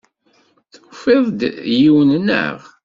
Tufiḍ-d yiwen, naɣ?